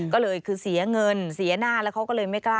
ก็เลยคือเสียเงินเสียหน้าแล้วเขาก็เลยไม่กล้า